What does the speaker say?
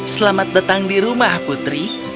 selamat datang di rumah putri